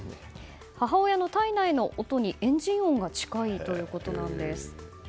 母親の胎内の音にエンジン音が近いということなんです。